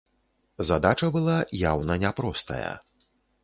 Задача была яўна не простая.